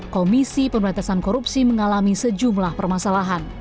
komisi pemberantasan korupsi mengalami sejumlah permasalahan